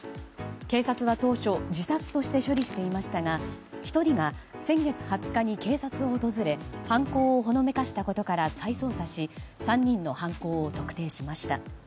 警察は当初自殺として処理していましたが１人が先月２０日に警察を訪れ犯行をほのめかしたことから再捜査し３人の犯行を特定しました。